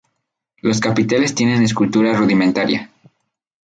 Los capiteles tienen escultura rudimentaria.